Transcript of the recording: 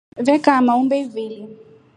Vee kaama kumbe ivili.